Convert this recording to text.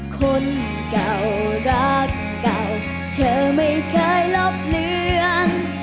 คนเก่ารักเก่าเธอไม่เคยลบเลือน